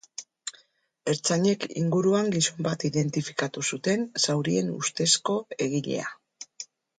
Ertzainek inguruan gizon bat identifikatu zuten, zaurien ustezko egilea.